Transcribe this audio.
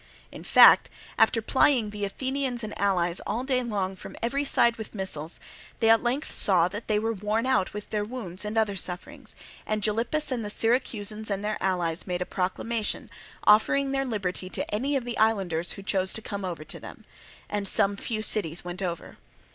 In fact, after plying the Athenians and allies all day long from every side with missiles, they at length saw that they were worn out with their wounds and other sufferings; and Gylippus and the Syracusans and their allies made a proclamation, offering their liberty to any of the islanders who chose to come over to them; and some few cities went over.